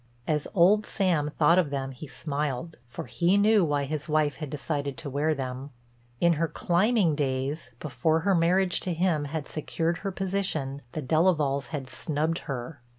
As old Sam thought of them he smiled, for he knew why his wife had decided to wear them. In her climbing days, before her marriage to him had secured her position, the Delavalles had snubbed her.